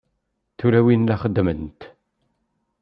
Tulawin la xeddment.